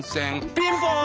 ピンポン！